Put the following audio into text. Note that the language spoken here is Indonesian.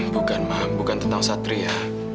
bukan maaf bukan tentang satria